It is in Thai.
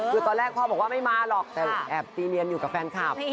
คือตอนแรกพ่อบอกว่าไม่มาหรอกแต่แอบตีเนียนอยู่กับแฟนคลับ